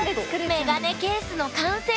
メガネケースの完成！